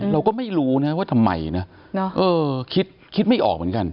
เราก็ไม่รู้นะว่าทำไมนะคิดคิดไม่ออกเหมือนกัน